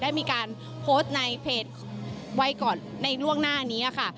ได้มีการโพสต์ในเพจไว้ก่อนในล่วงหน้านี้ค่ะ